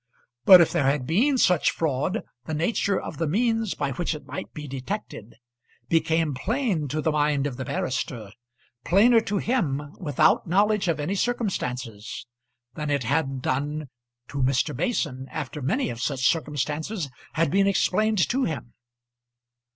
But if there had been such fraud, the nature of the means by which it might be detected became plain to the mind of the barrister, plainer to him without knowledge of any circumstances than it had done to Mr. Mason after many of such circumstances had been explained to him.